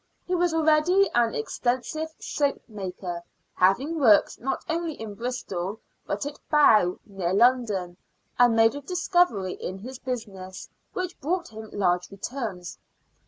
He was already an extensive soapmaker, having works not only in Bristol, but at Bow, near London, and made a discovery in his business which brought him large returns.